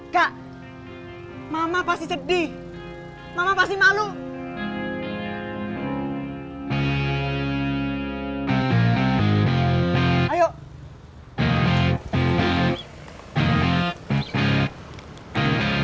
kak bonobono nggak ada kenapa kamu yang buat dokter untuk itu pas serius tadi